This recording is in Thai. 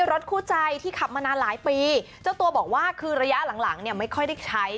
รถคู่ใจที่ขับมานานหลายปีเจ้าตัวบอกว่าคือระยะหลังหลังเนี่ยไม่ค่อยได้ใช้